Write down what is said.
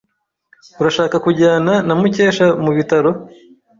Urashaka kujyana Mukesha mubitaro?